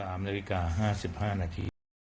นาฬิกา๕๕นาที